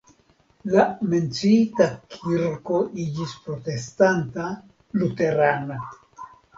La menciita kirko iĝis protestanta (luterana).